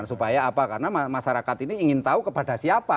supaya apa karena masyarakat ini ingin tahu kepada siapa